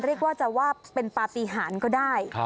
เรียกว่าจะว่าเป็นปฏิหารก็ได้